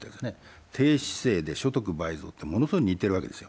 低姿勢で所得倍増ってものすごく似てるわけですよ。